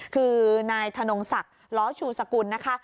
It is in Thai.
คือนายธนงศักดิ์ล้อชูสกุลนะคะ